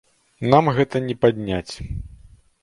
Нам гэта не падняць.